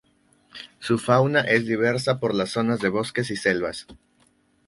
Su fauna es diversa por las zonas de bosques y selvas.